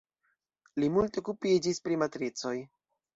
Li multe okupiĝis pri matricoj.